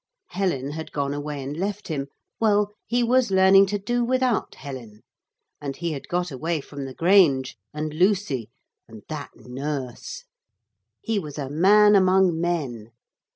Helen had gone away and left him; well, he was learning to do without Helen. And he had got away from the Grange, and Lucy, and that nurse. He was a man among men.